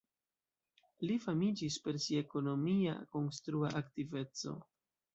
Li famiĝis per sia ekonomia konstrua aktiveco.